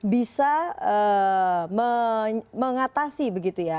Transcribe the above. bisa mengatasi begitu ya